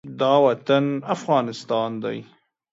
دا وطن افغانستان دی.